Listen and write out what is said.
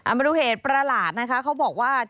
มาดูเหตุประหลาดนะคะเขาบอกว่า